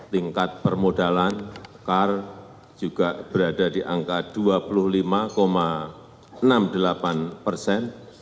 tingkat permodalan car juga berada di angka dua puluh lima enam puluh delapan persen